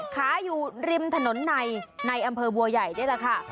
ขายอยู่ริมถนนในในอำเภอบัวใหญ่นี่แหละค่ะ